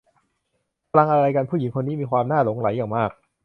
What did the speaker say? พลังอะไรกัน ผู้หญิงคนนี้มีความน่าหลงไหลอย่างมาก